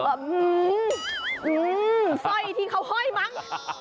สร้อยที่เขาห้อยมั้ง